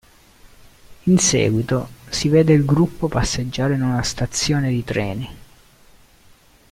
In seguito, si vede il gruppo passeggiare in una stazione di treni.